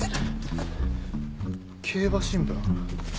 競馬新聞？